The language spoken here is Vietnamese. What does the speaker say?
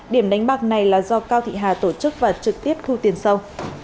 điểm đánh bạc này là do cao thị hà tổ chức và trực tiếp thu tiền sâu